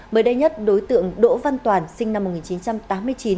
mới đây nhất đối tượng đỗ văn toàn sinh năm một nghìn chín trăm tám mươi chín